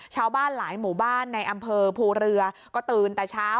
ชาวบ้านหลายหมู่บ้านในอำเภอภูเรือก็ตื่นแต่เช้า